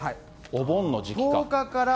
お盆の時期か。